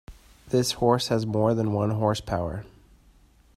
This horse has more than one horse power.